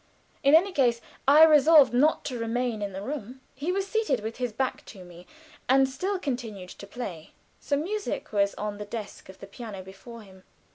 In any case I resolved not to remain in the room. He was seated with his back to me, and still continued to play. Some music was on the desk of the piano before him.